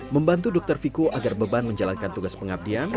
membantu dokter viko agar beban menjalankan tugas pengabdian